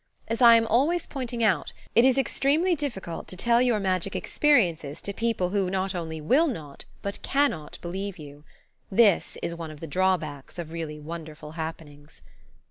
As I am always pointing out, it is extremely difficult to tell your magic experiences to people who not only will not, but cannot believe you. This is one of the drawbacks of really wonderful happenings.